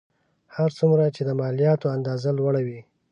هر څومره چې د مالیاتو اندازه لوړه وي